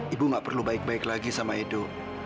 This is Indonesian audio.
ibu gak perlu baik baik lagi sama edo